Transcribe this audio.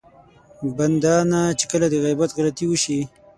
بنده نه چې کله د غيبت غلطي وشي.